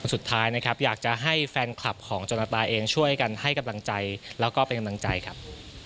สุดท้ายนะครับอยากจะให้แฟนคลับของจนตาเองช่วยกันให้กำลังใจแล้วก็เป็นกำลังใจครับ